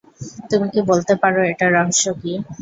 তুমি কি বলতে পার এটার রহস্য কি?